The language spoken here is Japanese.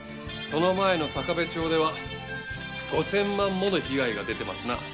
その前の阪辺町では５，０００万もの被害が出てますな。